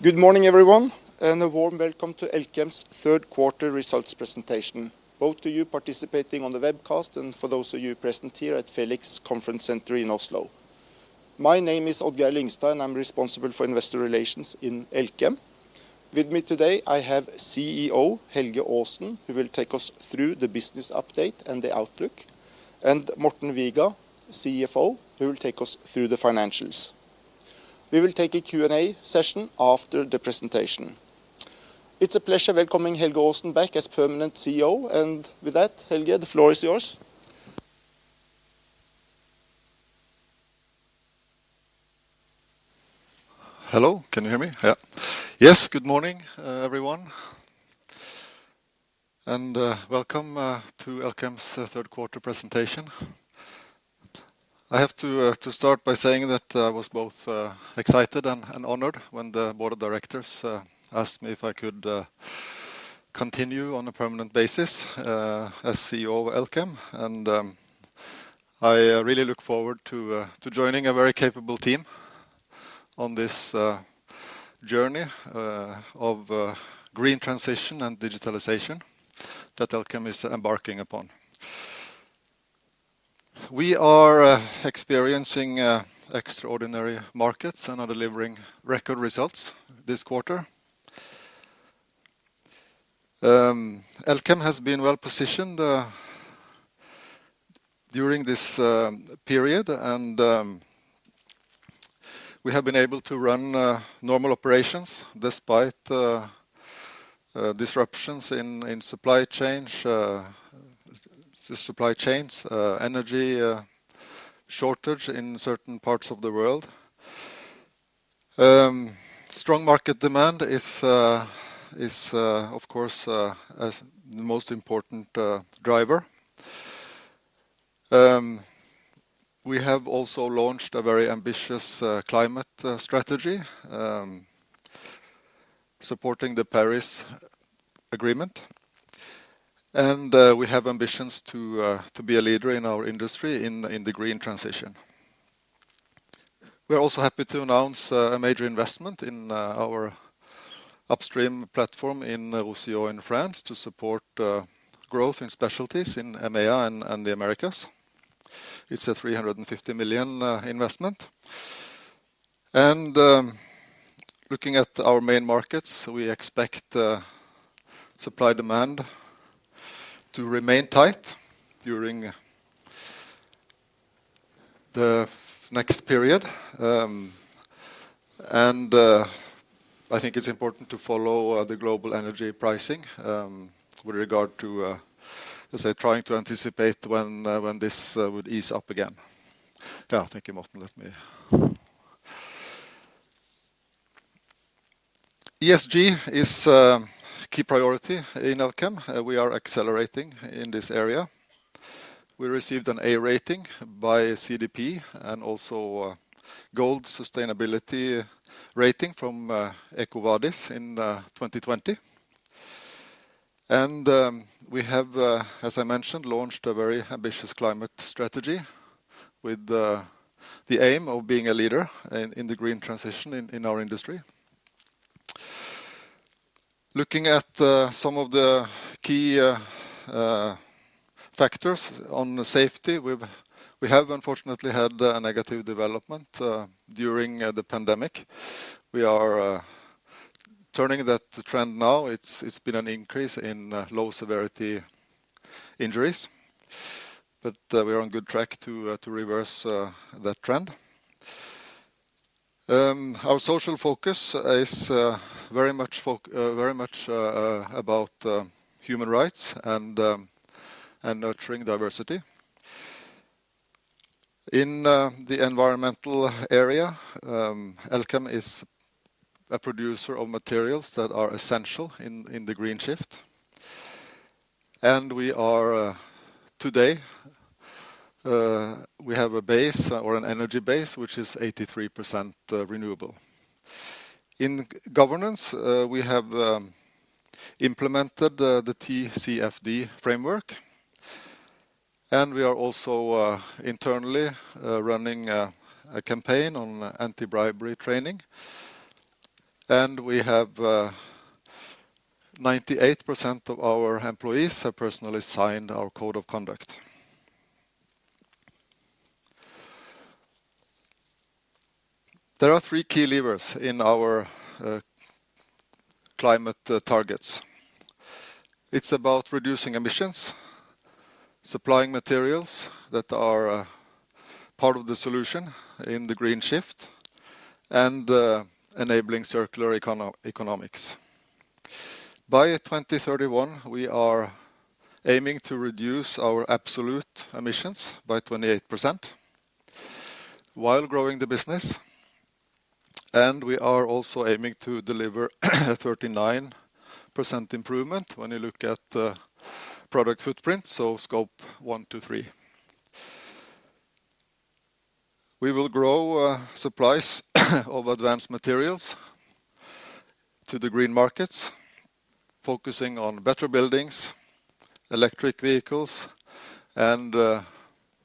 Good morning, everyone, and a warm welcome to Elkem's third quarter results presentation, both to you participating on the webcast and for those of you present here at Felix Conference Center in Oslo. My name is Odd-Geir Lyngstad, and I'm responsible for investor relations in Elkem. With me today, I have CEO Helge Aasen, who will take us through the business update and the outlook, and Morten Viga, CFO, who will take us through the financials. We will take a Q&A session after the presentation. It's a pleasure welcoming Helge Aasen back as permanent CEO. With that, Helge, the floor is yours. Hello, can you hear me? Yeah. Yes, good morning, everyone. Welcome to Elkem's third quarter presentation. I have to start by saying that I was both excited and honored when the board of directors asked me if I could continue on a permanent basis as CEO of Elkem. I really look forward to joining a very capable team on this journey of green transition and digitalization that Elkem is embarking upon. We are experiencing extraordinary markets and are delivering record results this quarter. Elkem has been well-positioned during this period. We have been able to run normal operations despite disruptions in supply chains, energy shortage in certain parts of the world. Strong market demand is, of course, a most important driver. We have also launched a very ambitious climate strategy supporting the Paris Agreement, and we have ambitions to be a leader in our industry in the green transition. We are also happy to announce a major investment in our upstream platform in Roussillon in France to support growth in specialties in EMEA and the Americas. It's a 350 million investment. Looking at our main markets, we expect supply demand to remain tight during the next period. I think it's important to follow the global energy pricing with regard to, let's say, trying to anticipate when this would ease up again. Yeah. Thank you. Morten, let me... ESG is a key priority in Elkem. We are accelerating in this area. We received an A rating by CDP and also a Gold sustainability rating from EcoVadis in 2020. We have, as I mentioned, launched a very ambitious climate strategy with the aim of being a leader in the green transition in our industry. Looking at some of the key factors on safety, we have unfortunately had a negative development during the pandemic. We are turning that trend now. It's been an increase in low-severity injuries, but we are on good track to reverse that trend. Our social focus is very much about human rights and nurturing diversity. In the environmental area, Elkem is a producer of materials that are essential in the green shift. Today we have a base or an energy base, which is 83% renewable. In governance, we have implemented the TCFD framework, and we are also internally running a campaign on anti-bribery training. We have 98% of our employees have personally signed our code of conduct. There are three key levers in our climate targets. It's about reducing emissions, supplying materials that are part of the solution in the green shift, and enabling circular economy. By 2031, we are aiming to reduce our absolute emissions by 28% while growing the business. We are also aiming to deliver a 39% improvement when you look at product footprint, so Scope 1 to 3. We will grow supplies of advanced materials to the green markets, focusing on better buildings, electric vehicles, and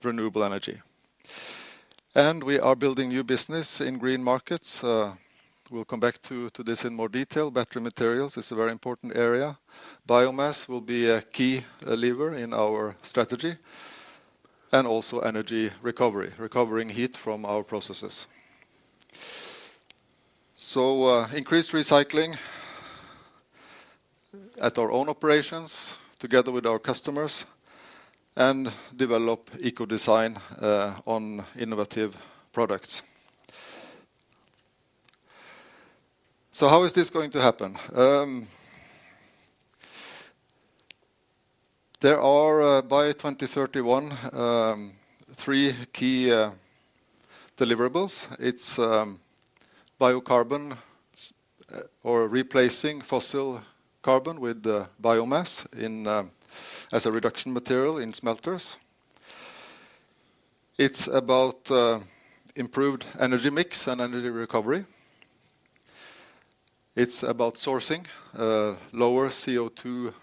renewable energy. We are building new business in green markets. We'll come back to this in more detail. Battery materials is a very important area. Biomass will be a key lever in our strategy, and also energy recovery, recovering heat from our processes. Increased recycling at our own operations together with our customers and develop eco-design on innovative products. How is this going to happen? There are by 2031 three key deliverables. It's biocarbon or replacing fossil carbon with biomass as a reduction material in smelters. It's about improved energy mix and energy recovery. It's about sourcing lower CO2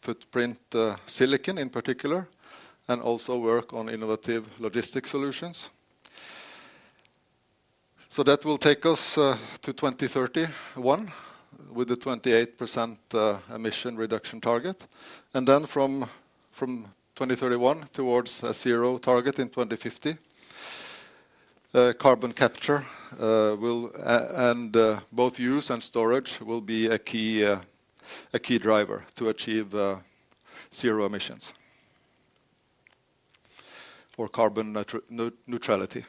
footprint silicon in particular, and also work on innovative logistic solutions. That will take us to 2031 with the 28% emission reduction target. Then from 2031 towards a zero target in 2050, carbon capture, use and storage will be a key driver to achieve zero emissions or carbon neutrality.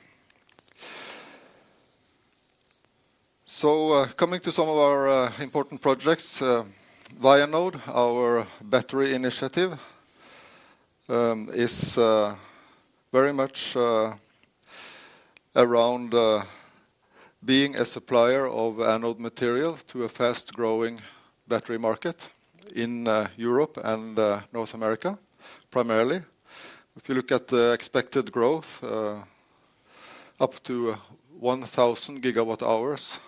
Coming to some of our important projects, Vianode, our battery initiative, is very much around being a supplier of anode material to a fast-growing battery market in Europe and North America primarily. If you look at the expected growth up to 1,000 gigawatt hours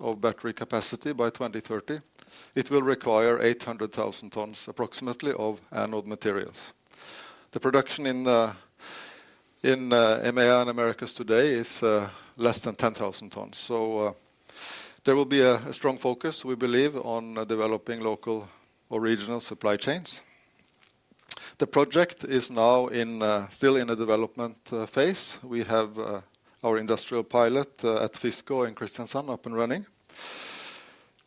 of battery capacity by 2030, it will require 800,000 tons approximately of anode materials. The production in EMEA and Americas today is less than 10,000 tons. There will be a strong focus, we believe, on developing local or regional supply chains. The project is now still in a development phase. We have our industrial pilot at Fiskaa in Kristiansand up and running.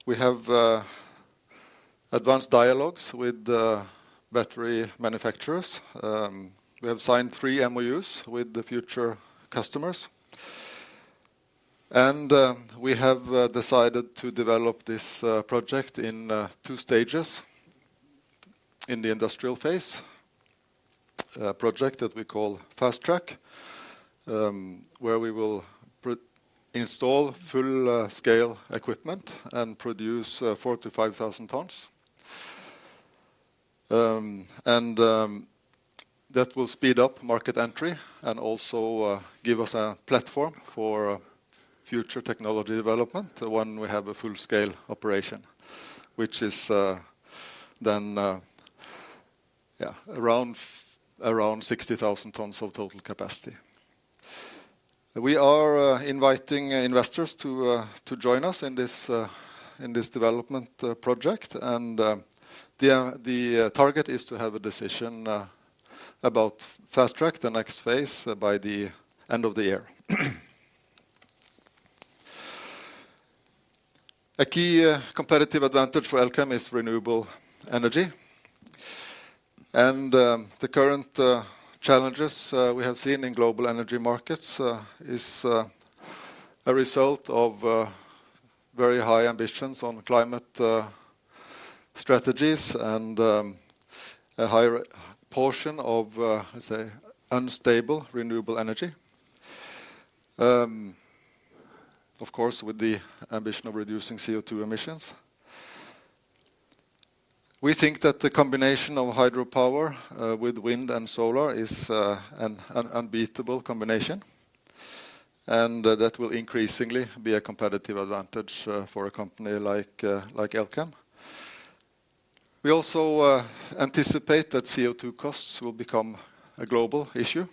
We have advanced dialogues with the battery manufacturers. We have signed three MOUs with the future customers. We have decided to develop this project in two stages in the industrial phase. A project that we call Fast Track, where we will install full-scale equipment and produce 4,000 tons-5,000 tons. That will speed up market entry and also give us a platform for future technology development when we have a full-scale operation, which is then around 60,000 tons of total capacity. We are inviting investors to join us in this development project. The target is to have a decision about Fast Track, the next phase, by the end of the year. A key competitive advantage for Elkem is renewable energy. The current challenges we have seen in global energy markets is a result of very high ambitions on climate strategies and a higher portion of, say, unstable renewable energy. Of course, with the ambition of reducing CO2 emissions. We think that the combination of hydropower with wind and solar is an unbeatable combination, and that will increasingly be a competitive advantage for a company like Elkem. We also anticipate that CO2 costs will become a global issue.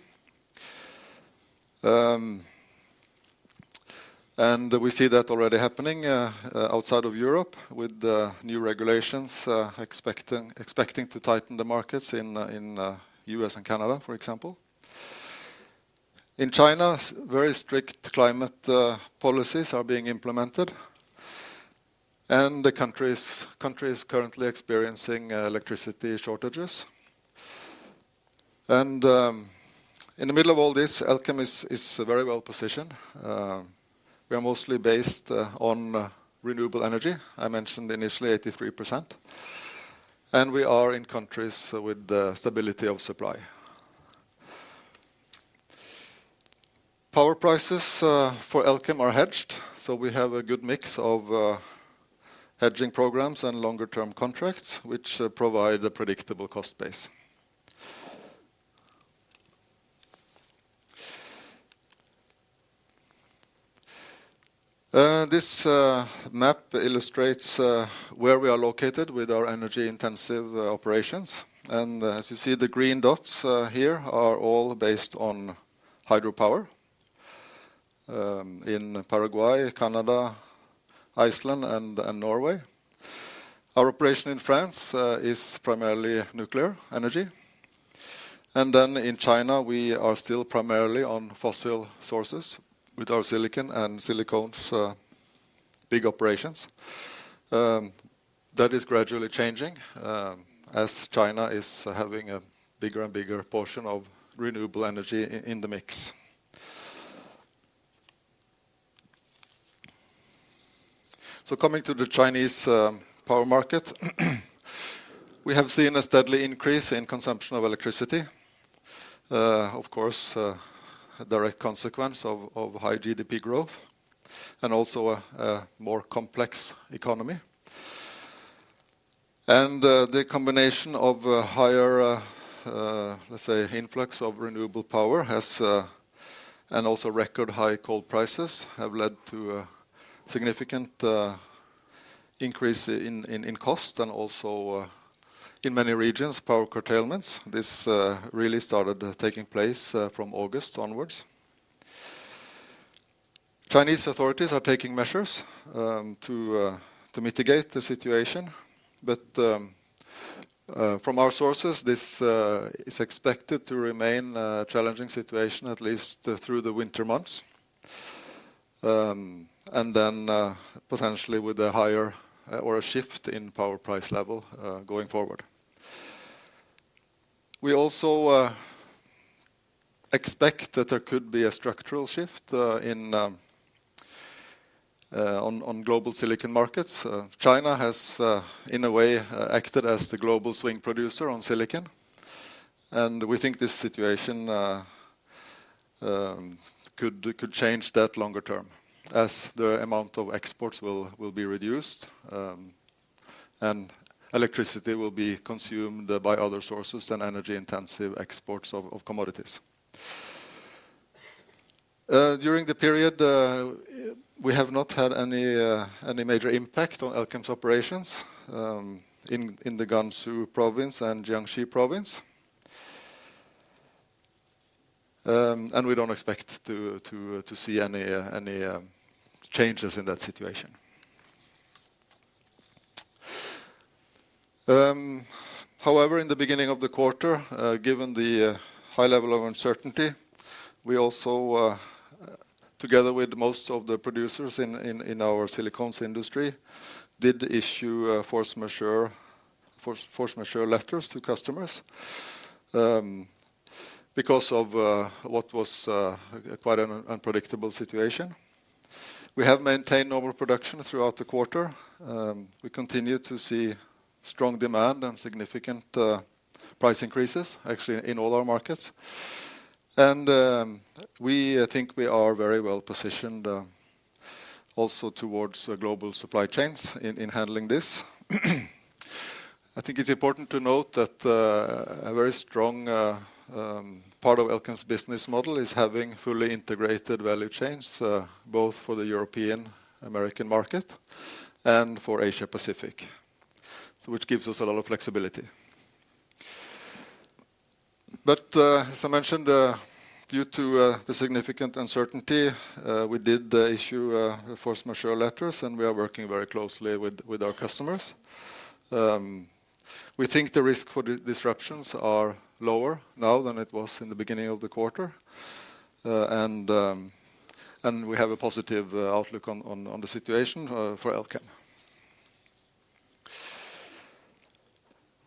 We see that already happening outside of Europe with the new regulations expecting to tighten the markets in U.S. and Canada, for example. In China, very strict climate policies are being implemented, and the country is currently experiencing electricity shortages. In the middle of all this, Elkem is very well-positioned. We are mostly based on renewable energy. I mentioned initially 83%. We are in countries with the stability of supply. Power prices for Elkem are hedged, so we have a good mix of hedging programs and longer-term contracts, which provide a predictable cost base. This map illustrates where we are located with our energy-intensive operations. As you see, the green dots here are all based on hydropower in Paraguay, Canada, Iceland and Norway. Our operation in France is primarily nuclear energy. Then in China, we are still primarily on fossil sources with our silicon and silicones big operations. That is gradually changing as China is having a bigger and bigger portion of renewable energy in the mix. Coming to the Chinese power market, we have seen a steady increase in consumption of electricity, of course a direct consequence of high GDP growth and also a more complex economy. The combination of higher, let's say, influx of renewable power and also record high coal prices have led to a significant increase in cost and also in many regions, power curtailments. This really started taking place from August onwards. Chinese authorities are taking measures to mitigate the situation. From our sources, this is expected to remain a challenging situation at least through the winter months. Potentially with a higher or a shift in power price level going forward. We also expect that there could be a structural shift in global silicon markets. China has in a way acted as the global swing producer of silicon. We think this situation could change that longer term as the amount of exports will be reduced and electricity will be consumed by other sources than energy-intensive exports of commodities. During the period we have not had any major impact on Elkem's operations in the Gansu province and Jiangxi province. We don't expect to see any changes in that situation. However, in the beginning of the quarter, given the high level of uncertainty, we also, together with most of the producers in our silicones industry, did issue force majeure letters to customers because of what was quite an unpredictable situation. We have maintained normal production throughout the quarter. We continue to see strong demand and significant price increases actually in all our markets. We think we are very well-positioned also towards the global supply chains in handling this. I think it's important to note that a very strong part of Elkem's business model is having fully integrated value chains both for the European-American market and for Asia-Pacific, so which gives us a lot of flexibility. As I mentioned, due to the significant uncertainty, we did issue force majeure letters, and we are working very closely with our customers. We think the risk for disruptions are lower now than it was in the beginning of the quarter. We have a positive outlook on the situation for Elkem.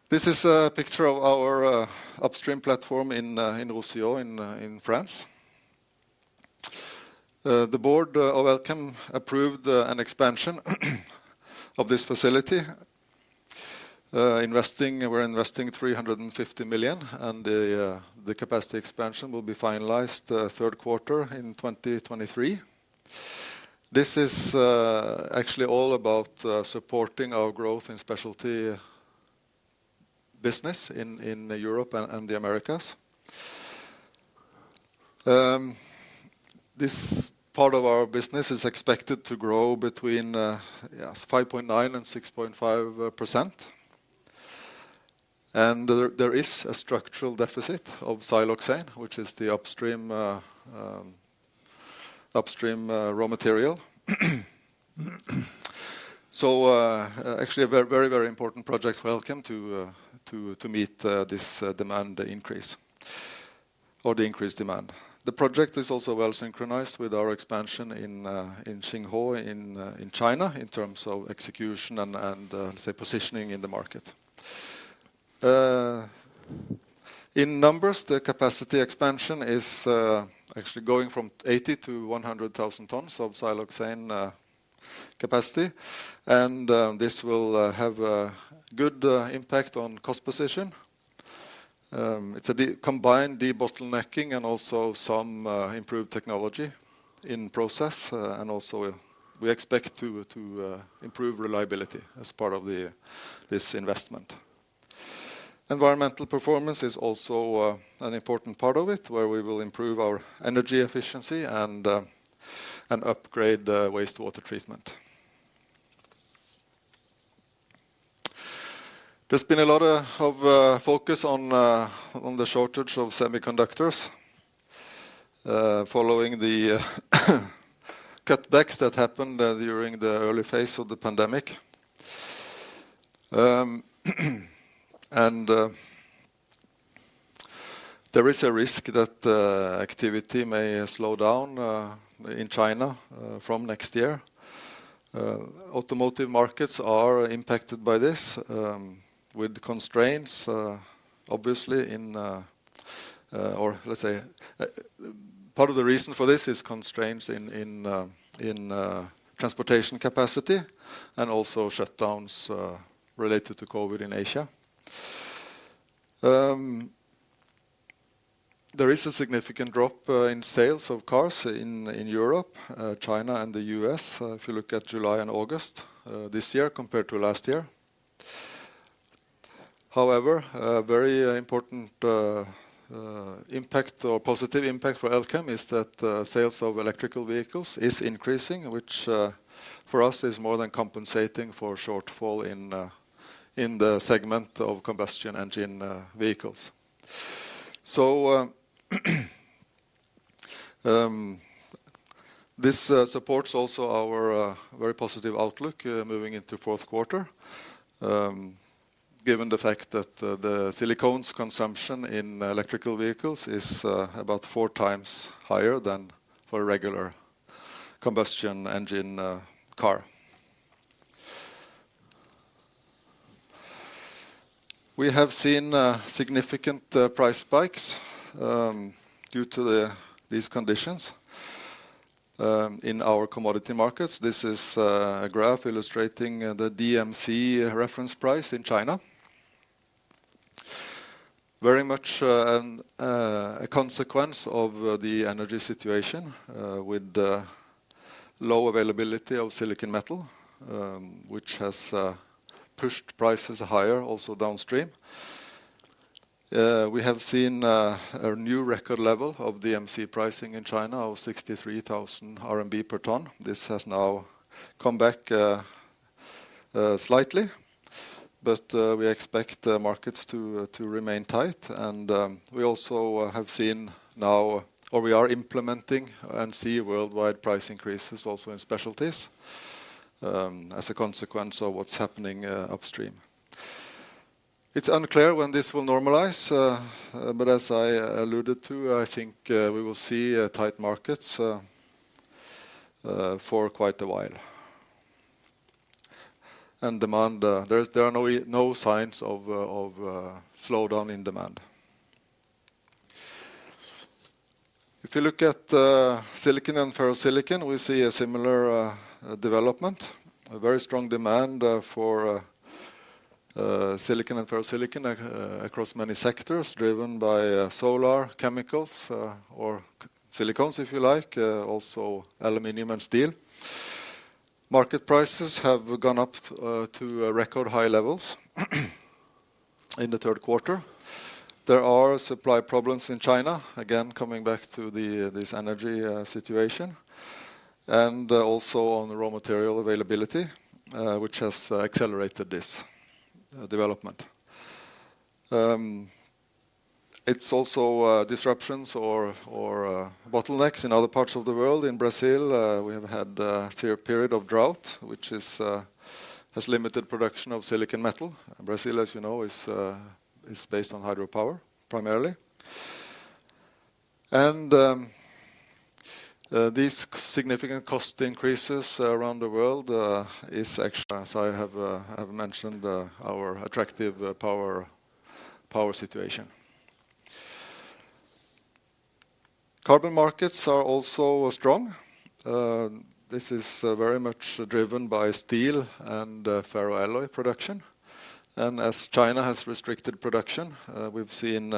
This is a picture of our upstream platform in Roussillon in France. The board of Elkem approved an expansion of this facility. We're investing 350 million, and the capacity expansion will be finalized third quarter in 2023. This is actually all about supporting our growth in specialty business in Europe and the Americas. This part of our business is expected to grow between 5.9% and 6.5%. There is a structural deficit of siloxane, which is the upstream raw material. It's actually a very important project for Elkem to meet this demand increase or the increased demand. The project is also well synchronized with our expansion in Xinghuo in China in terms of execution and let's say positioning in the market. In numbers, the capacity expansion is actually going from 80,000 tons-100,000 tons of siloxane capacity, and this will have a good impact on cost position. It's a combined debottlenecking and also some improved technology in process. We expect to improve reliability as part of this investment. Environmental performance is also an important part of it, where we will improve our energy efficiency and upgrade the wastewater treatment. There's been a lot of focus on the shortage of semiconductors following the cutbacks that happened during the early phase of the pandemic. There is a risk that activity may slow down in China from next year. Automotive markets are impacted by this with constraints obviously. Part of the reason for this is constraints in transportation capacity and also shutdowns related to COVID in Asia. There is a significant drop in sales of cars in Europe, China and the U.S., if you look at July and August this year compared to last year. However, a very important impact or positive impact for Elkem is that sales of electric vehicles is increasing, which for us is more than compensating for shortfall in the segment of combustion engine vehicles. This supports also our very positive outlook moving into fourth quarter, given the fact that the silicones consumption in electric vehicles is about 4x higher than for a regular combustion engine car. We have seen significant price spikes due to these conditions in our commodity markets. This is a graph illustrating the DMC reference price in China. Very much a consequence of the energy situation with the low availability of silicon metal, which has pushed prices higher also downstream. We have seen a new record level of DMC pricing in China of 63,000 RMB per ton. This has now come back slightly, but we expect the markets to remain tight. We also have seen now, or we are implementing and see worldwide price increases also in specialties, as a consequence of what's happening upstream. It's unclear when this will normalize, but as I alluded to, I think we will see tight markets for quite a while. Demand, there are no signs of slowdown in demand. If you look at silicon and ferrosilicon, we see a similar development. A very strong demand for silicon and ferrosilicon across many sectors, driven by solar, chemicals, or silicones if you like, also aluminum and steel. Market prices have gone up to record high levels in the third quarter. There are supply problems in China, again, coming back to this energy situation, and also on the raw material availability, which has accelerated this development. It's also disruptions or bottlenecks in other parts of the world. In Brazil, we have had a period of drought, which has limited production of silicon metal. Brazil, as you know, is based on hydropower primarily. These significant cost increases around the world is actually, as I have mentioned, our attractive power situation. Carbon markets are also strong. This is very much driven by steel and ferroalloy production. As China has restricted production, we've seen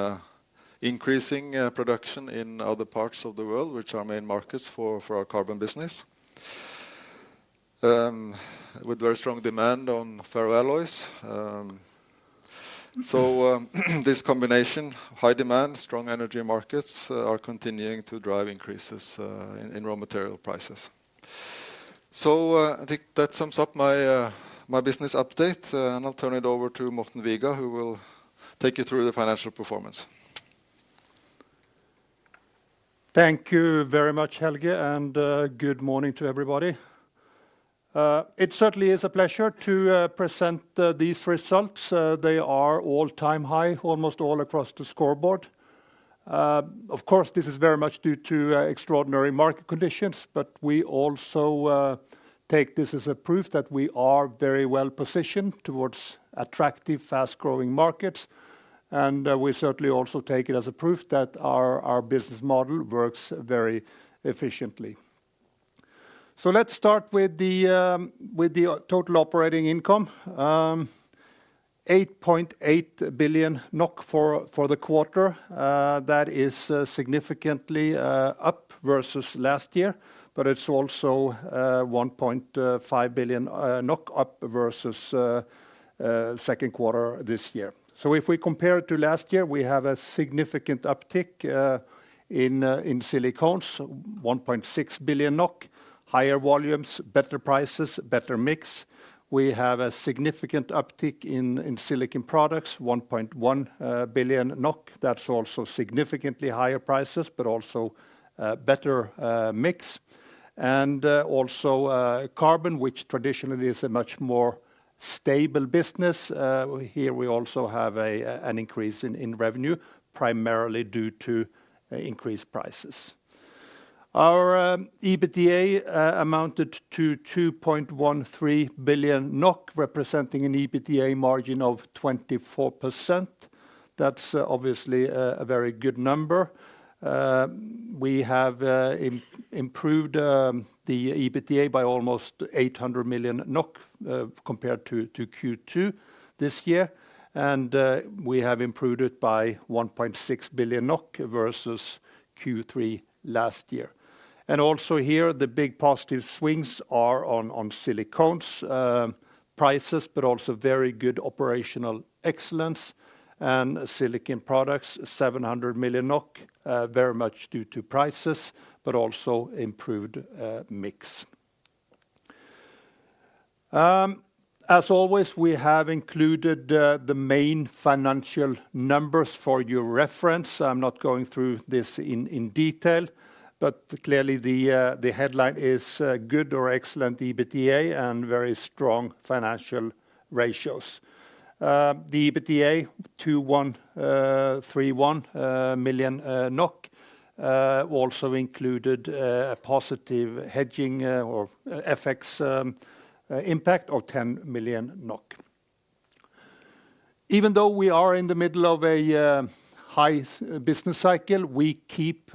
increasing production in other parts of the world, which are main markets for our carbon business with very strong demand on ferroalloys. This combination, high-demand, strong-energy markets are continuing to drive increases in raw material prices. I think that sums up my business update, and I'll turn it over to Morten Viga, who will take you through the financial performance. Thank you very much, Helge, and good morning to everybody. It certainly is a pleasure to present these results. They are all-time high, almost all across the scoreboard. Of course, this is very much due to extraordinary market conditions, but we also take this as a proof that we are very well-positioned towards attractive, fast-growing markets. We certainly also take it as a proof that our business model works very efficiently. Let's start with the total operating income. 8.8 billion NOK for the quarter. That is significantly up versus last year, but it's also 1.5 billion up versus second quarter this year. If we compare to last year, we have a significant uptick in silicones, 1.6 billion NOK, higher volumes, better prices, better mix. We have a significant uptick in Silicon Products, 1.1 billion NOK. That's also significantly higher prices, but also better mix. Carbon, which traditionally is a much more stable business, here we also have an increase in revenue, primarily due to increased prices. Our EBITDA amounted to 2.13 billion NOK, representing an EBITDA margin of 24%. That's obviously a very good number. We have improved the EBITDA by almost 800 million NOK compared to Q2 this year. We have improved it by 1.6 billion NOK versus Q3 last year. Also here, the big positive swings are on silicones prices, but also very good operational excellence and Silicon Products, 700 million NOK, very much due to prices, but also improved mix. As always, we have included the main financial numbers for your reference. I'm not going through this in detail, but clearly the headline is good or excellent EBITDA and very strong financial ratios. The EBITDA, 213 million NOK, also included a positive hedging or FX impact of 10 million NOK. Even though we are in the middle of a high business cycle, we keep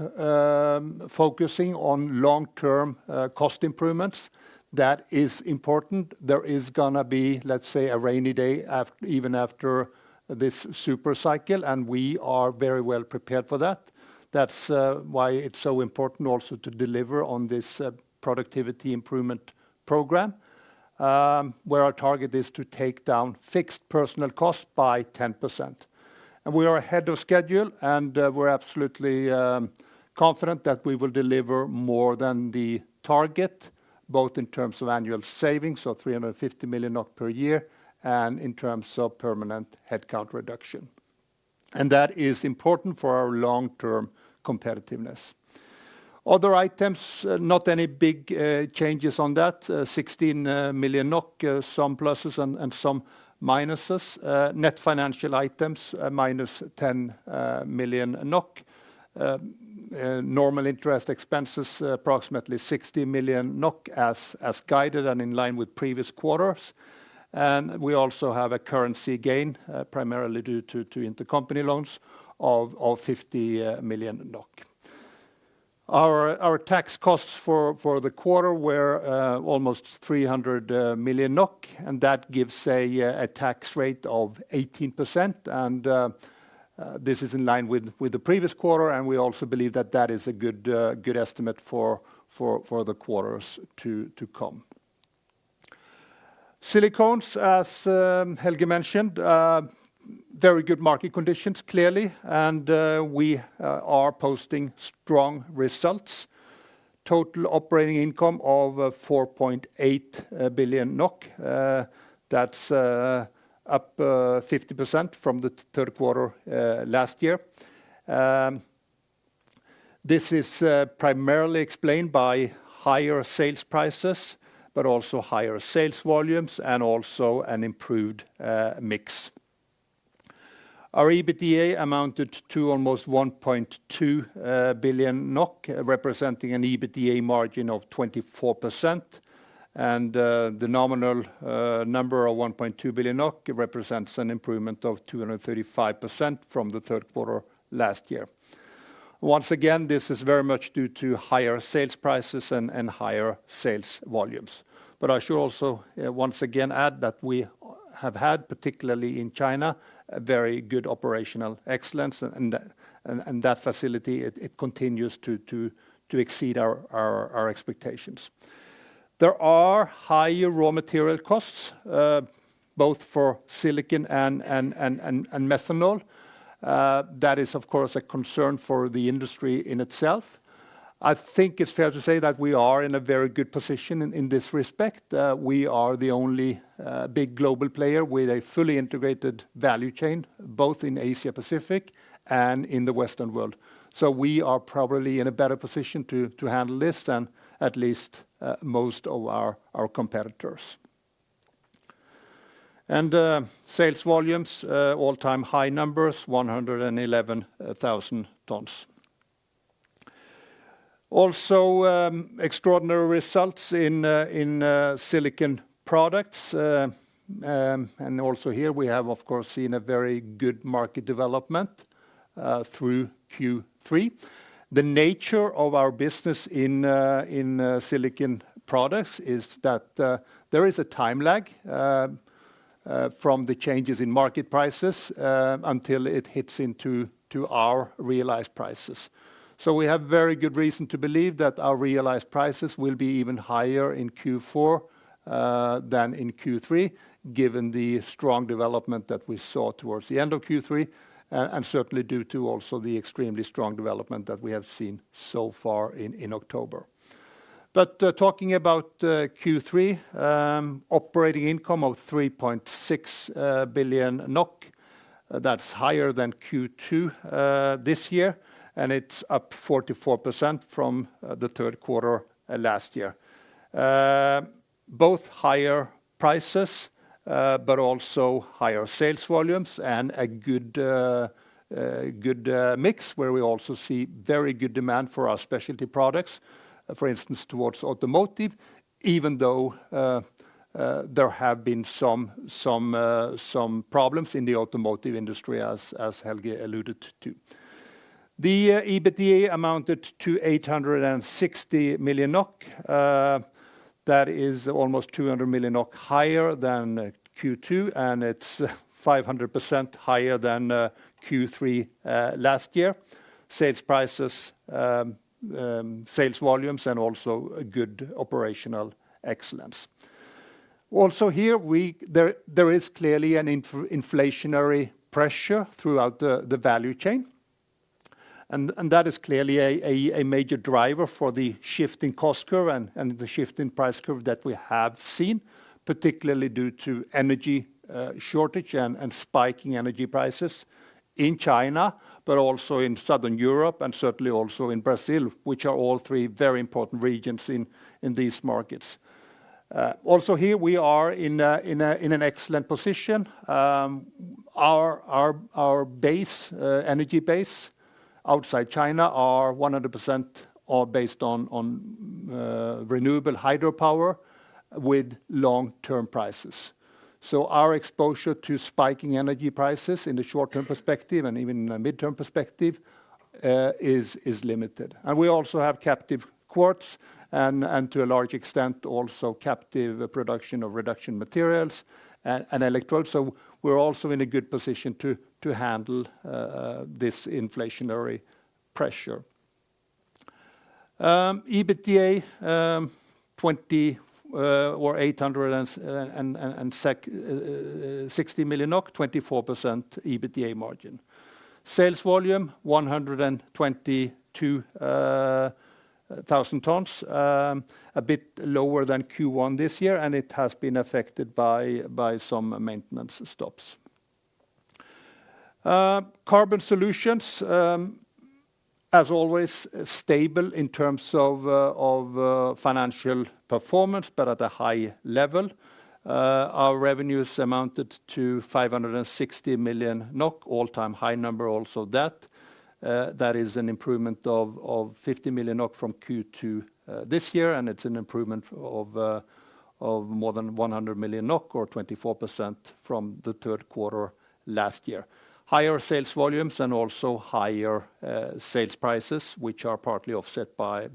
focusing on long-term cost improvements. That is important. There is gonna be, let's say, a rainy day after this super cycle, and we are very well-prepared for that. That's why it's so important also to deliver on this productivity improvement program, where our target is to take down fixed personnel costs by 10%. We are ahead of schedule, and we're absolutely confident that we will deliver more than the target, both in terms of annual savings, so 350 million per year, and in terms of permanent headcount reduction. That is important for our long-term competitiveness. Other items, not any big changes on that, 16 million NOK, some pluses and some minuses. Net financial items, -10 million NOK. Normal interest expenses, approximately 60 million NOK as guided and in line with previous quarters. We also have a currency gain, primarily due to intercompany loans of 50 million NOK. Our tax costs for the quarter were almost 300 million NOK, and that gives a tax rate of 18%. This is in line with the previous quarter, and we also believe that is a good estimate for the quarters to come. Silicones, as Helge mentioned, very good market conditions, clearly, and we are posting strong results. Total operating income of 4.8 billion NOK. That's up 50% from the third quarter last year. This is primarily explained by higher sales prices, but also higher sales volumes and also an improved mix. Our EBITDA amounted to almost 1.2 billion NOK, representing an EBITDA margin of 24%. The nominal number of 1.2 billion NOK represents an improvement of 235% from the third quarter last year. Once again, this is very much due to higher sales prices and higher sales volumes. I should also once again add that we have had, particularly in China, a very good operational excellence and that facility it continues to exceed our expectations. There are higher raw material costs both for silicon and methanol. That is, of course, a concern for the industry in itself. I think it's fair to say that we are in a very good position in this respect. We are the only big global player with a fully integrated value chain, both in Asia-Pacific and in the Western world. We are probably in a better position to handle this than at least most of our competitors. Sales volumes, all-time high numbers, 111,000 tons. Also extraordinary results in Silicon Products. Also, here we have, of course, seen a very good market development through Q3. The nature of our business in Silicon Products is that there is a time lag from the changes in market prices until it hits into our realized prices. We have very good reason to believe that our realized prices will be even higher in Q4 than in Q3, and certainly due to also the extremely strong development that we have seen so far in October. Talking about Q3, operating income of 3.6 billion NOK, that's higher than Q2 this year, and it's up 44% from the third quarter last year. Both higher prices, but also higher sales volumes and a good mix, where we also see very good demand for our specialty products, for instance, towards automotive, even though there have been some problems in the automotive industry, as Helge alluded to. The EBITDA amounted to 860 million NOK. That is almost 200 million NOK higher than Q2, and it's 500% higher than Q3 last year. Sales prices, sales volumes, and also a good operational excellence. Also here there is clearly an inflationary pressure throughout the value chain, and that is clearly a major driver for the shift in cost curve and the shift in price curve that we have seen, particularly due to energy shortage and spiking energy prices in China, but also in Southern Europe and certainly also in Brazil, which are all three very important regions in these markets. Also here we are in an excellent position. Our base energy base outside China are 100% all based on renewable hydropower with long-term prices. Our exposure to spiking energy prices in the short-term perspective and even mid-term perspective is limited. We also have captive quartz and to a large extent also captive production of reduction materials and electrodes. We're also in a good position to handle this inflationary pressure. EBITDA 268 million NOK, 24% EBITDA margin. Sales volume 122,000 tons, a bit lower than Q1 this year, and it has been affected by some maintenance stops. Carbon Solutions, as always, stable in terms of financial performance, but at a high level. Our revenues amounted to 560 million NOK, all-time high number also that. That is an improvement of 50 million NOK from Q2 this year, and it's an improvement of more than 100 million NOK or 24% from the third quarter last year. Higher sales volumes and also higher sales prices, which are partly offset by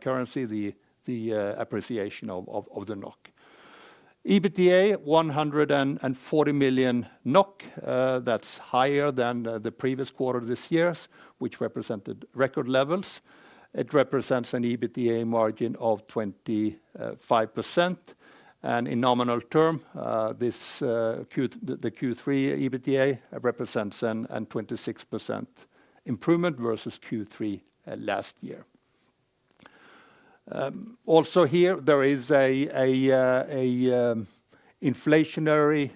currency, the appreciation of the NOK. EBITDA 140 million NOK. That's higher than the previous quarter this year's, which represented record levels. It represents an EBITDA margin of 25%. In nominal term, this the Q3 EBITDA represents a 26% improvement versus Q3 last year. Also here, there is inflationary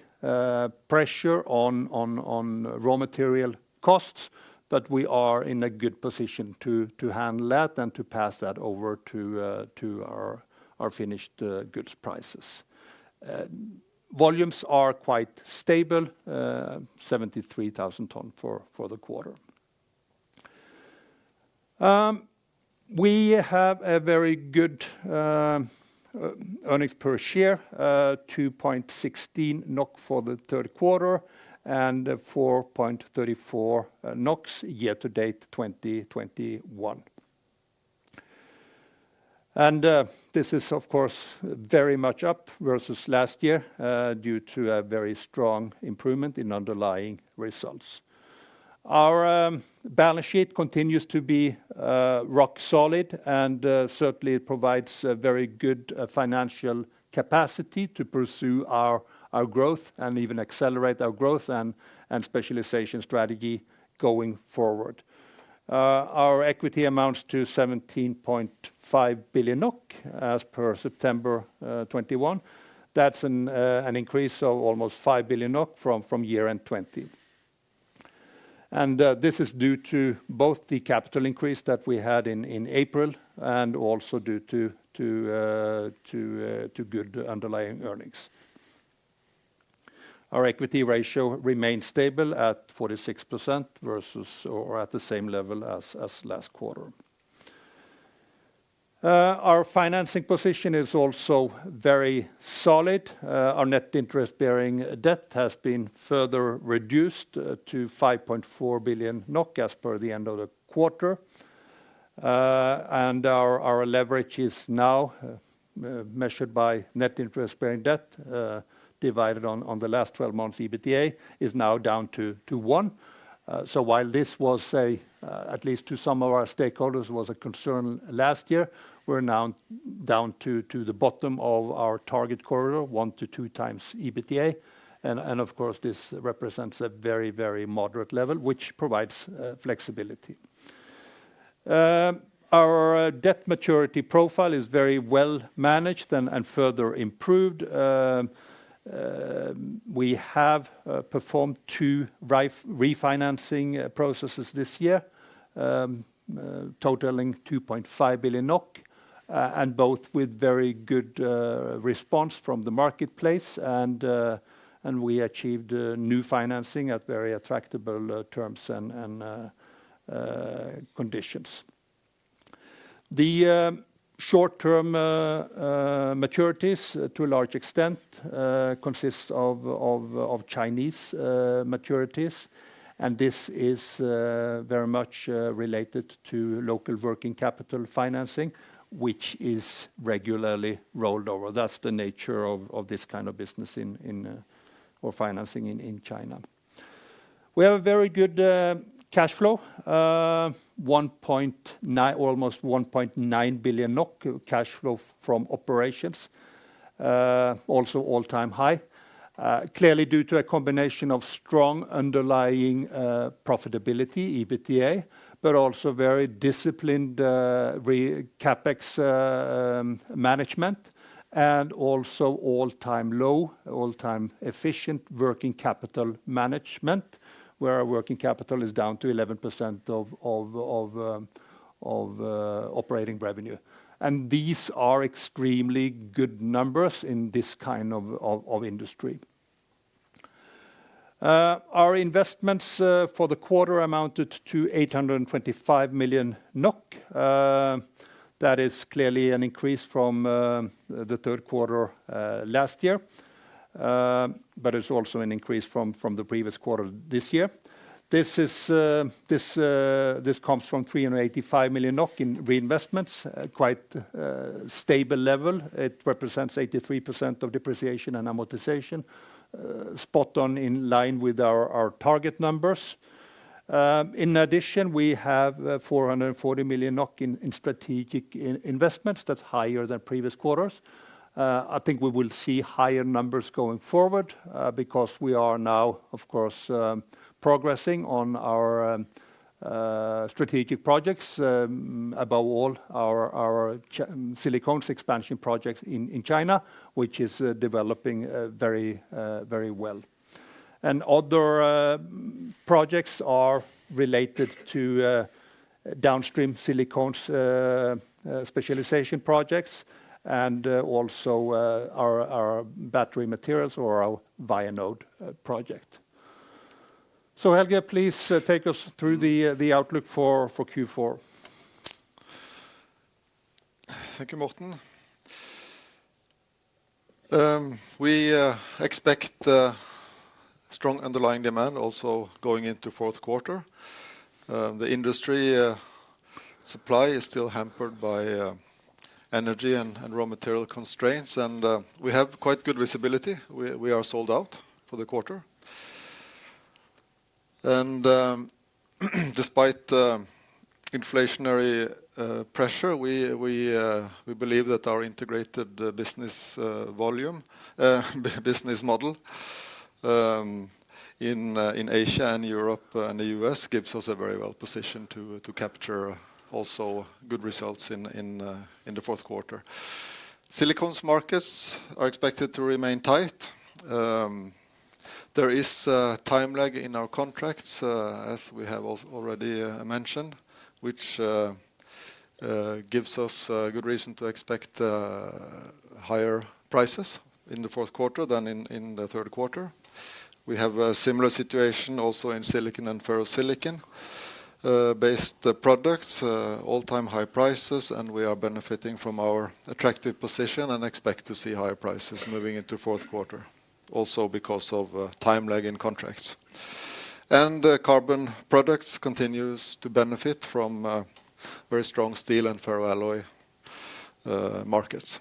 pressure on raw material costs, but we are in a good position to handle that and to pass that over to our finished goods prices. Volumes are quite stable, 73,000 tons for the quarter. We have a very good earnings per share, 2.16 NOK for the third quarter and 4.34 year-to-date 2021. This is of course very much up versus last year due to a very strong improvement in underlying results. Our balance sheet continues to be rock solid and certainly it provides a very good financial capacity to pursue our growth and even accelerate our growth and specialization strategy going forward. Our equity amounts to 17.5 billion NOK as per September 2021. That's an increase of almost 5 billion NOK from year-end 2020. This is due to both the capital increase that we had in April and also due to good underlying earnings. Our equity ratio remains stable at 46% versus or at the same level as last quarter. Our financing position is also very solid. Our net interest-bearing debt has been further reduced to 5.4 billion NOK as per the end of the quarter. Our leverage is now measured by net interest-bearing debt divided by the last 12 months EBITDA, is now down to 1x. While this was, say, at least to some of our stakeholders was a concern last year, we're now down to the bottom of our target corridor, 1x-2x EBITDA. Of course, this represents a very moderate level, which provides flexibility. Our debt maturity profile is very well managed and further improved. We have performed two refinancing processes this year, totaling 2.5 billion NOK, and both with very good response from the marketplace and we achieved new financing at very attractive terms and conditions. The short-term maturities to a large extent consists of Chinese maturities, and this is very much related to local working capital financing, which is regularly rolled over. That's the nature of this kind of business or financing in China. We have a very good cash flow, almost 1.9 billion NOK cash flow from operations, also all-time high, clearly due to a combination of strong underlying profitability, EBITDA, but also very disciplined CapEx management and also all-time low, all-time efficient working capital management, where our working capital is down to 11% of operating revenue. These are extremely good numbers in this kind of industry. Our investments for the quarter amounted to 825 million NOK. That is clearly an increase from the third quarter last year, but it's also an increase from the previous quarter this year. This is. This comes from 385 million NOK in reinvestments, quite stable level. It represents 83% of depreciation and amortization, spot-on, in line with our target numbers. In addition, we have 440 million NOK in strategic investments. That's higher than previous quarters. I think we will see higher numbers going forward because we are now, of course, progressing on our strategic projects, above all our silicones expansion projects in China, which is developing very well. Other projects are related to downstream silicones specialization projects and also our battery materials or our Vianode project. Helge, please take us through the outlook for Q4. Thank you, Morten. We expect a strong underlying demand also going into fourth quarter. The industry supply is still hampered by energy and raw material constraints, and we have quite good visibility. We are sold out for the quarter. Despite inflationary pressure, we believe that our integrated business volume business model in Asia and Europe and the U.S. gives us a very well position to capture also good results in the fourth quarter. Silicones markets are expected to remain tight. There is a time lag in our contracts, as we have already mentioned, which gives us good reason to expect higher prices in the fourth quarter than in the third quarter. We have a similar situation also in silicon and ferrosilicon based products, all-time high prices, and we are benefiting from our attractive position and expect to see higher prices moving into fourth quarter, also because of time lag in contracts. Carbon products continues to benefit from very strong steel and ferroalloy markets.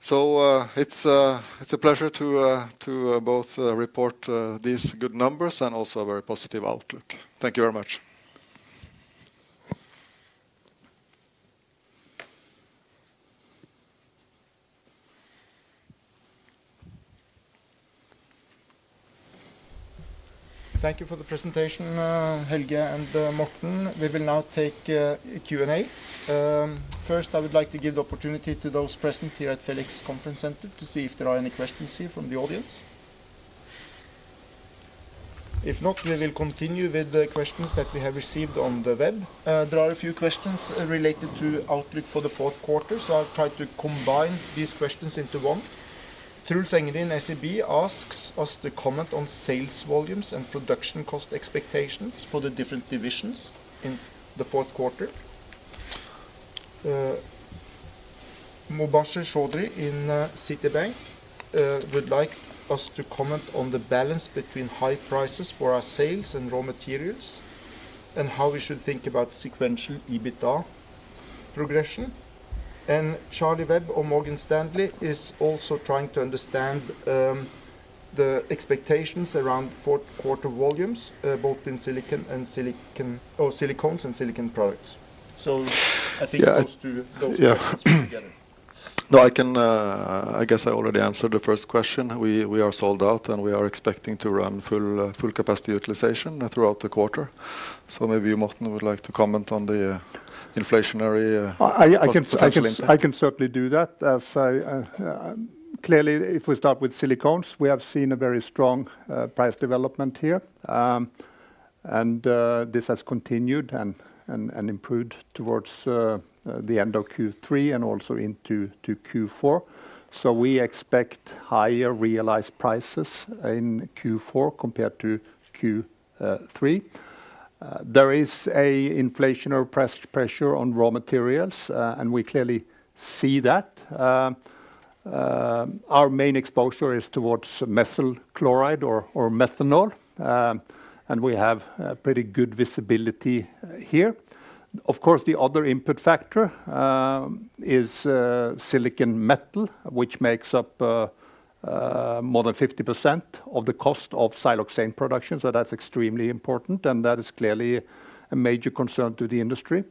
It's a pleasure to both report these good numbers and also a very positive outlook. Thank you very much. Thank you for the presentation, Helge and Morten. We will now take Q&A. First, I would like to give the opportunity to those present here at Felix Conference Center to see if there are any questions here from the audience. If not, we will continue with the questions that we have received on the web. There are a few questions related to outlook for the fourth quarter, so I'll try to combine these questions into one. Truls Engene, SEB, asks us to comment on sales volumes and production cost expectations for the different divisions in the fourth quarter. Mubasher Chaudhry in Citibank would like us to comment on the balance between high prices for our sales and raw materials, and how we should think about sequential EBITDA progression. Charlie Webb of Morgan Stanley is also trying to understand the expectations around fourth quarter volumes, both in silicon or silicones and Silicon Products. I think. Yeah. Those two questions together. Yeah. No, I can. I guess I already answered the first question. We are sold out, and we are expecting to run full capacity utilization throughout the quarter. Maybe Morten would like to comment on the inflationary perspective. I can certainly do that. Clearly, if we start with silicones, we have seen a very strong price development here. This has continued and improved toward the end of Q3 and also into Q4. We expect higher realized prices in Q4 compared to Q3. There is inflationary pressure on raw materials, and we clearly see that. Our main exposure is toward methyl chloride or methanol. We have pretty good visibility here. Of course, the other input factor is silicon metal, which makes up more than 50% of the cost of siloxane production, so that's extremely important, and that is clearly a major concern to the industry.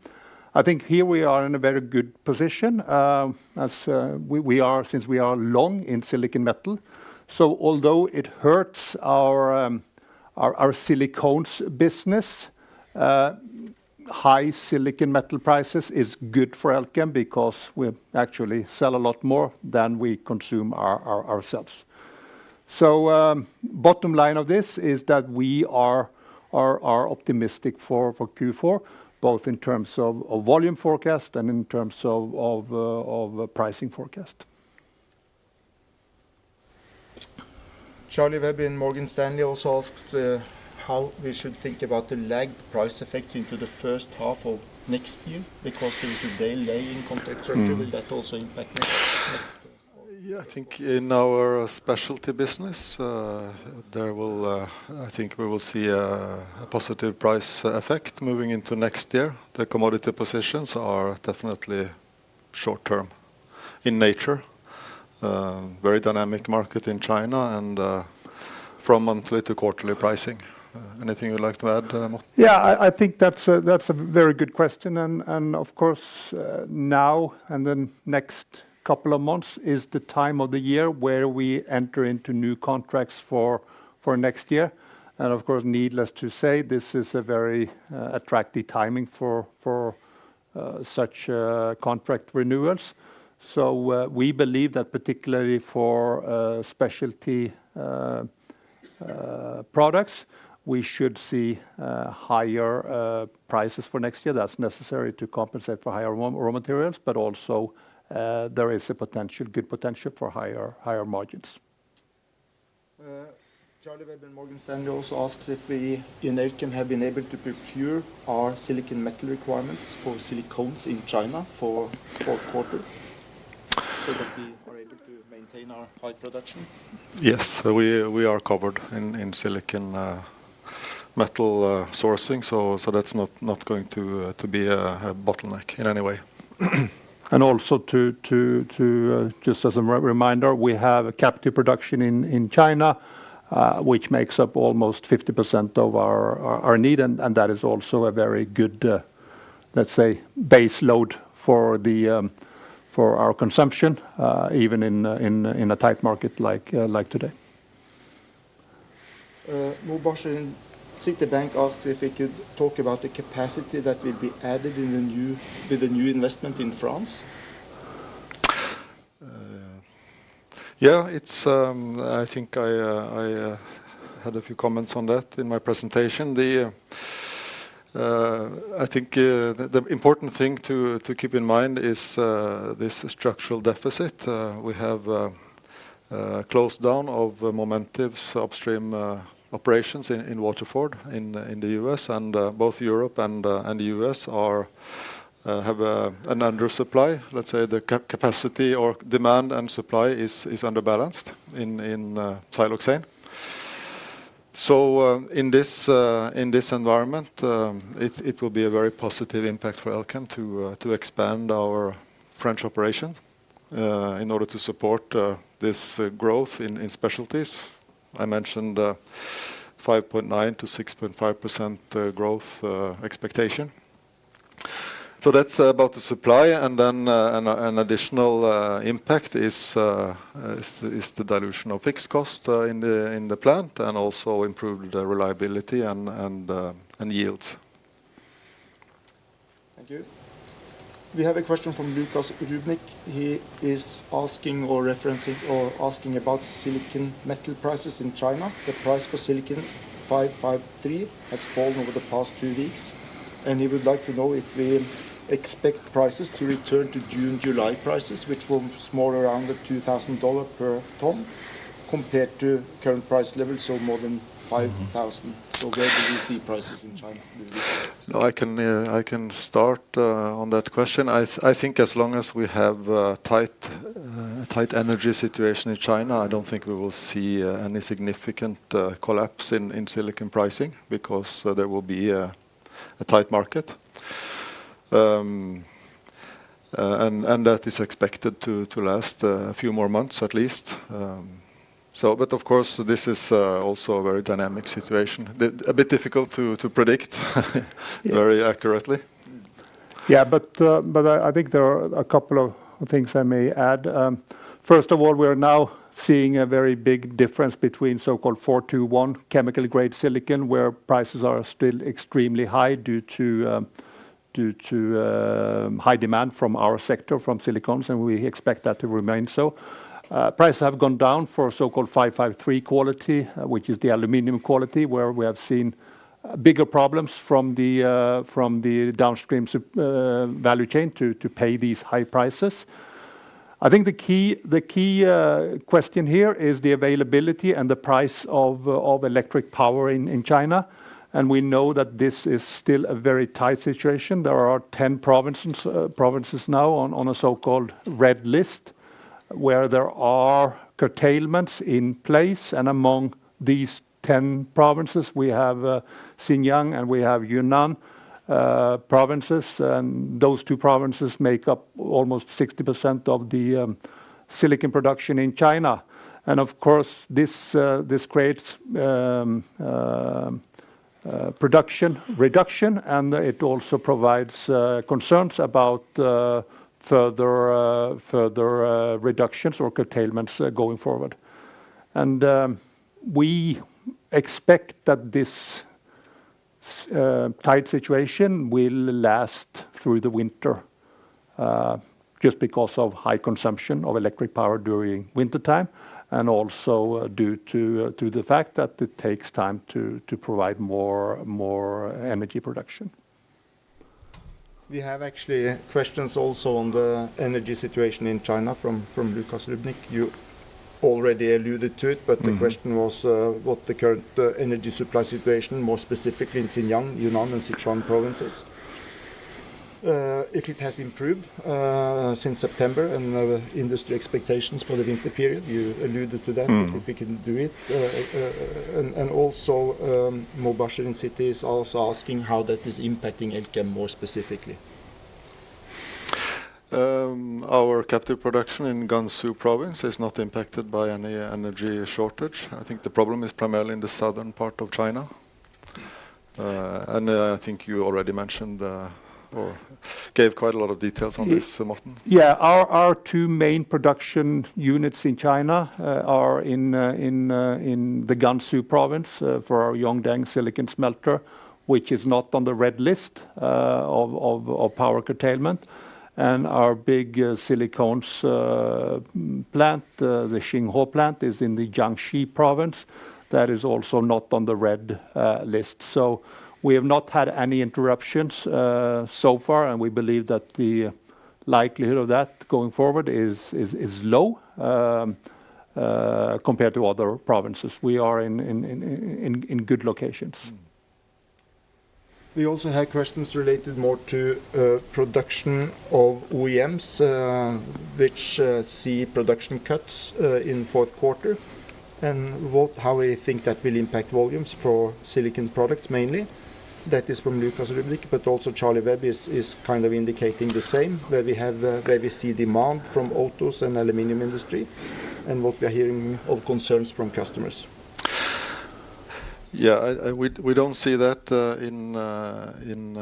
I think here we are in a very good position, as we are long in silicon metal. Although it hurts our silicones business, high silicon metal prices is good for Elkem because we actually sell a lot more than we consume ourselves. Bottom line of this is that we are optimistic for Q4, both in terms of volume forecast and in terms of pricing forecast. Charlie Webb from Morgan Stanley also asks how we should think about the lagged price effects into the first half of next year because there is a day lag in contract- Mm. Short-term, will that also impact next quarter? Yeah, I think in our specialty business, I think we will see a positive price effect moving into next year. The commodity positions are definitely short term in nature, very dynamic market in China and from monthly-to-quarterly pricing. Anything you'd like to add to that, Morten? Yeah, I think that's a very good question. Of course, now in the next couple of months is the time of the year where we enter into new contracts for next year. Of course, needless to say, this is a very attractive timing for such contract renewals. We believe that particularly for specialty products, we should see higher prices for next year. That's necessary to compensate for higher raw materials, but also there is good potential for higher margins. Charlie Webb in Morgan Stanley also asks if we in Elkem have been able to procure our silicon metal requirements for silicones in China for fourth quarter so that we are able to maintain our high production. Yes. We are covered in silicon metal sourcing. That's not going to be a bottleneck in any way. Just as a reminder, we have a captive production in China, which makes up almost 50% of our need, and that is also a very good, let's say, base load for our consumption, even in a tight market like today. Mubasher in Citibank asked if we could talk about the capacity that will be added with the new investment in France. Yeah. I think I had a few comments on that in my presentation. I think the important thing to keep in mind is this structural deficit. We have closed down of Momentive's upstream operations in Waterford in the U.S. Both Europe and U.S. have an under supply. Let's say the capacity or demand and supply is underbalanced in siloxane. In this environment, it will be a very positive impact for Elkem to expand our French operation in order to support this growth in specialties. I mentioned 5.9%-6.5% growth expectation. That's about the supply. An additional impact is the dilution of fixed cost in the plant and also improved reliability and yields. Thank you. We have a question from Lukas Rodl. He is asking or referencing about silicon metal prices in China. The price for Silicon 553 has fallen over the past two weeks. He would like to know if we expect prices to return to June, July prices, which were more around $2,000 per ton compared to current price levels, so more than $5,000. Where do we see prices in China? No, I can start on that question. I think as long as we have tight energy situation in China, I don't think we will see any significant collapse in silicon pricing because there will be a tight market. That is expected to last a few more months at least. Of course, this is also a very dynamic situation. It is a bit difficult to predict very accurately. I think there are a couple of things I may add. First of all, we are now seeing a very big difference between so-called 421 chemical-grade silicon, where prices are still extremely high due to high demand from our sector, from silicones, and we expect that to remain so. Prices have gone down for so-called 553 quality, which is the aluminum quality, where we have seen bigger problems from the downstream value chain to pay these high prices. I think the key question here is the availability and the price of electric power in China, and we know that this is still a very tight situation. There are 10 provinces now on a so-called red list, where there are curtailments in place. Among these 10 provinces, we have Xinjiang and we have Yunnan provinces, and those two provinces make up almost 60% of the silicon production in China. Of course, this creates production reduction, and it also provides concerns about further reductions or curtailments going forward. We expect that this tight situation will last through the winter just because of high consumption of electric power during wintertime and also due to the fact that it takes time to provide more energy production. We have actually questions also on the energy situation in China from Lukas Rodl. You already alluded to it, but the question was what the current energy supply situation, more specifically in Xinjiang, Yunnan and Sichuan provinces, is. If it has improved since September and the industry expectations for the winter period, you alluded to that. Mm-hmm. If we can do it. Also, Mubasher Chaudhry in Citi is also asking how that is impacting Elkem more specifically. Our captive production in Gansu province is not impacted by any energy shortage. I think the problem is primarily in the southern part of China. I think you already mentioned or gave quite a lot of details on this, Morten. Yeah. Our two main production units in China are in the Gansu Province for our Yongdeng silicon smelter, which is not on the red list of power curtailment. Our big silicones plant, the Xinghuo plant, is in the Jiangxi Province. That is also not on the red list. We have not had any interruptions so far, and we believe that the likelihood of that going forward is low compared to other provinces. We are in good locations. We also had questions related more to production of OEMs, which see production cuts in fourth quarter. How we think that will impact volumes for Silicon Products mainly. That is from Lukas Rodl, but also Charlie Webb is kind of indicating the same, where we see demand from autos and aluminum industry and what we're hearing of concerns from customers. Yeah. We don't see that in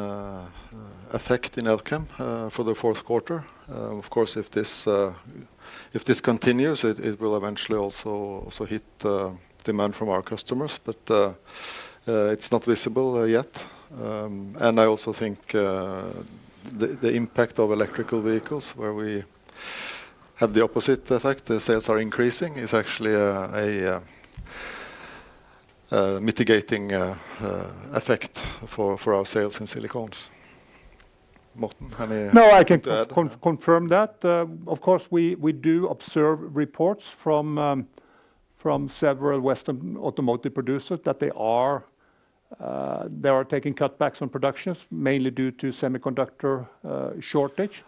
effect in Elkem for the fourth quarter. Of course, if this continues, it will eventually also hit demand from our customers. It's not visible yet. I also think the impact of electric vehicles where we have the opposite effect, the sales are increasing, is actually a mitigating effect for our sales in silicones. Morten, any- No, I can confirm that. Of course, we do observe reports from several Western automotive producers that they are taking cutbacks on production mainly due to semiconductor shortage.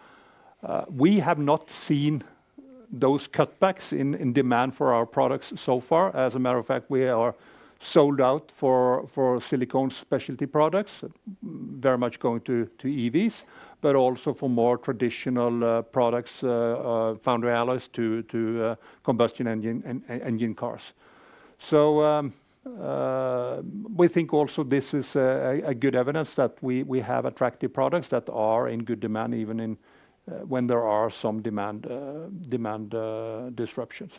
We have not seen those cutbacks in demand for our products so far. As a matter of fact, we are sold out for silicone-specialty products, very much going to EVs, but also for more traditional products, foundry alloys to combustion engine and engine cars. We think also this is a good evidence that we have attractive products that are in good demand even when there are some demand disruptions.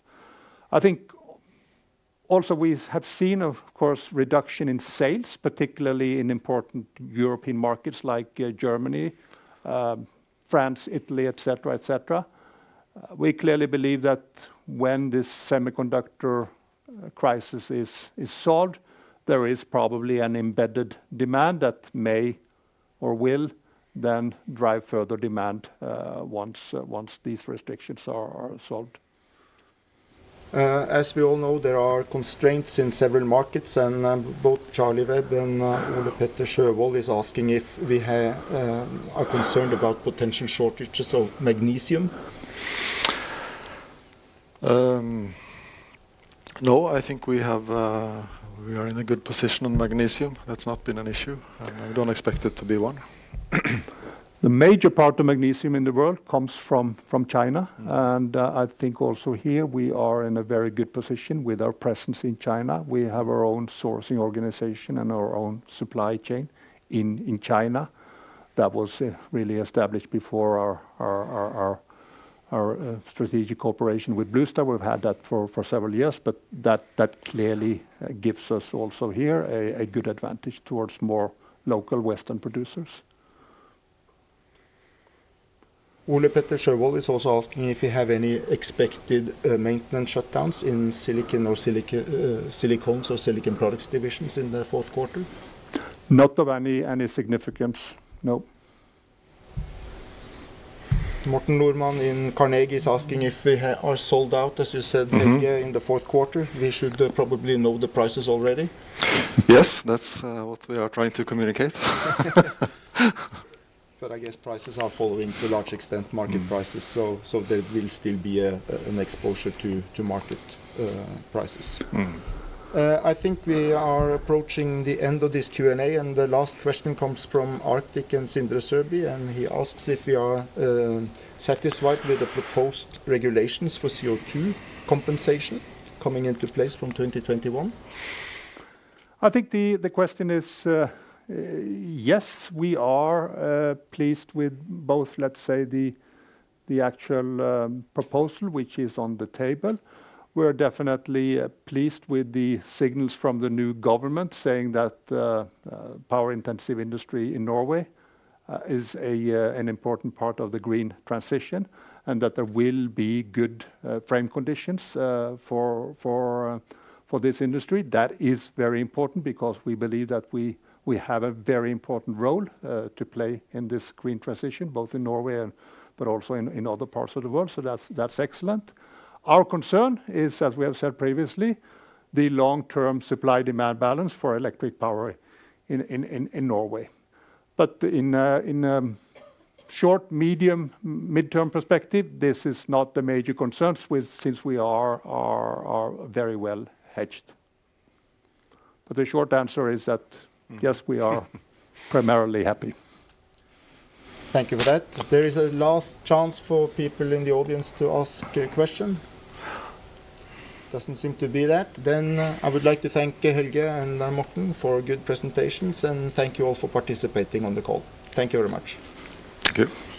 I think also we have seen, of course, reduction in sales, particularly in important European markets like Germany, France, Italy, et cetera, et cetera. We clearly believe that when this semiconductor crisis is solved, there is probably an embedded demand that may or will then drive further demand, once these restrictions are solved. As we all know, there are constraints in several markets and both Charlie Webb and Ole-Petter Sjøvold is asking if we are concerned about potential shortages of magnesium. No, I think we are in a good position on magnesium. That's not been an issue, and I don't expect it to be one. The major part of magnesium in the world comes from China, and I think also here we are in a very good position with our presence in China. We have our own sourcing organization and our own supply chain in China that was really established before our strategic cooperation with Bluestar. We've had that for several years, but that clearly gives us also here a good advantage towards more local Western producers. Ole-Petter Sjøvold is also asking if you have any expected maintenance shutdowns in silicon or silicones or Silicon Products divisions in the fourth quarter. Not of any significance. No. Morten Normann in Carnegie is asking if we are sold out, as you said. Mm-hmm... earlier in the fourth quarter, we should probably know the prices already. Yes. That's what we are trying to communicate. I guess prices are following to a large extent market prices. Mm. There will still be an exposure to market prices. Mm. I think we are approaching the end of this Q&A, and the last question comes from Arctic and Sindre Sørbye, and he asks if we are satisfied with the proposed regulations for CO2 compensation coming into place from 2021. I think the question is, yes, we are pleased with both, let's say, the actual proposal which is on the table. We're definitely pleased with the signals from the new government saying that power intensive industry in Norway is an important part of the green transition, and that there will be good frame conditions for this industry. That is very important because we believe that we have a very important role to play in this green transition, both in Norway and but also in other parts of the world. That's excellent. Our concern is, as we have said previously, the long-term supply-demand balance for electric power in Norway. In short-, medium-, mid-term perspective, this is not the major concerns with since we are very well-hedged. The short answer is that- Mm Yes, we are primarily happy. Thank you for that. There is a last chance for people in the audience to ask a question. Doesn't seem to be that. I would like to thank Helge and Morten for good presentations, and thank you all for participating on the call. Thank you very much. Thank you.